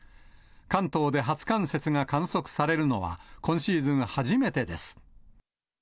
関東で初冠雪が観測されるのは、今シーズン初めてです。